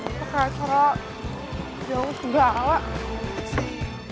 gak ada cara jauh kebala